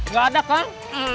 gak ada kang